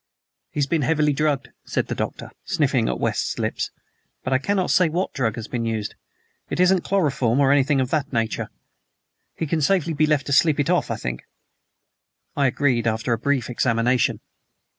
"He has been heavily drugged," said the Doctor, sniffing at West's lips, "but I cannot say what drug has been used. It isn't chloroform or anything of that nature. He can safely be left to sleep it off, I think." I agreed, after a brief examination.